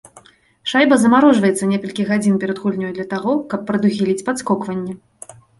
Шайба замарожваецца некалькі гадзін перад гульнёй для таго, каб прадухіліць падскокванні.